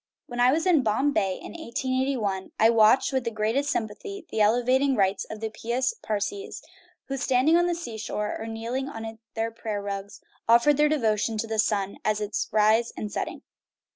When I was in Bombay, in 1 88 1, I watched with the greatest sympathy the elevating rites of the pious Parsees, who, standing on the sea shore, or kneeling on their prayer rugs, offered their devotion to the sun at its rise and setting.